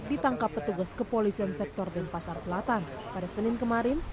ditangkap petugas kepolisian sektor denpasar selatan pada senin kemarin